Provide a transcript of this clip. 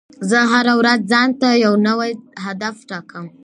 زه هره ورځ ځان ته یو نوی هدف ټاکم.